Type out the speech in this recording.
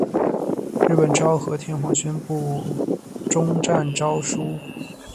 日本昭和天皇宣布终战诏书。